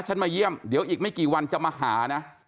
มาเยี่ยมเดี๋ยวอีกไม่กี่วันจะมาหานะ